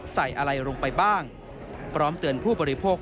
ใส่อะไรลงไปบ้างพร้อมเตือนผู้บริโภค